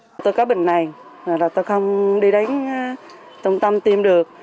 bà hường nói bà hường nói bà hường nói tôi có bệnh này tôi không đi đến trung tâm tiêm được